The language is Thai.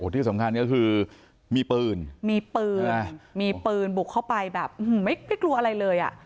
ที่สำคัญก็คือมีปืนมีปืนมีปืนบุกเข้าไปแบบไม่กลัวอะไรเลยอ่ะ